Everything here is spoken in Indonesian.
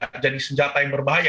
menjadi senjata yang berbahaya